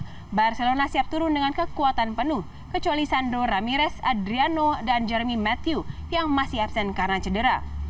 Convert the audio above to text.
di rumah barcelona siap turun dengan kekuatan penuh kecuali sandro ramirez adriano dan jeremy matthew yang masih absen karena cedera